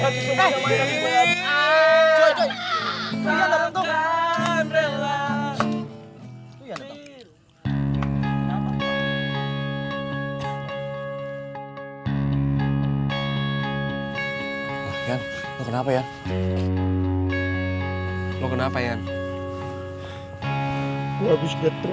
kayaknya kakaknya kebal